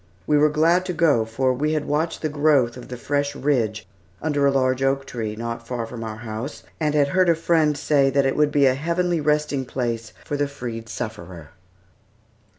We were glad to go, for we had watched the growth of the fresh ridge under a large oak tree, not far from our house, and had heard a friend say that it would be "a heavenly resting place for the freed sufferer."